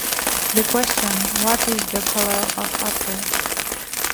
The question What is the color of apple?